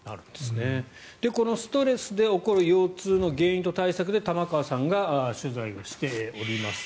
このストレスで起こる腰痛の原因と対策で玉川さんが取材をしております。